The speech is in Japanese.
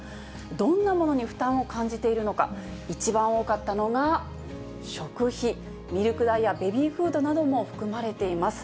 どんなものに負担を感じているのか、一番多かったのが食費、ミルク代やベビーフードなども含まれています。